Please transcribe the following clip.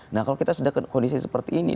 nah kalau kita sudah kondisi seperti ini